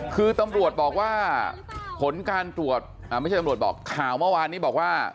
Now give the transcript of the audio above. คือตำรวจบอกว่าผลการตรวจไม่ใช่ตำรวจบอกข่าวเมื่อวานนี้บอกว่า